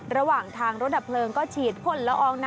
ระหว่างทางรถดับเพลิงก็ฉีดพ่นละอองน้ำ